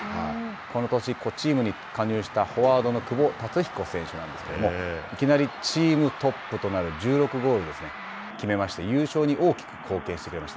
この年、チームに加入したフォワードの久保竜彦選手なんですけども、いきなりチームトップとなる１６ゴールを決めまして、優勝に大きく貢献してくれました。